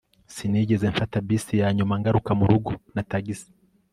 sinigeze mfata bisi yanyuma, ngaruka murugo na tagisi